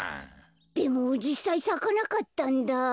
でもじっさいさかなかったんだ。